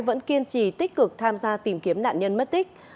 vẫn kiên trì tích cực tham gia tìm kiếm nạn nhân mất tích